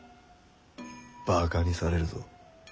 バカにされるぞ。